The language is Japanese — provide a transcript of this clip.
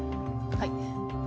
はい。